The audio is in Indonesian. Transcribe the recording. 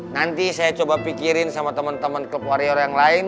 nanti saya coba pikirin sama teman teman klub warrior yang lain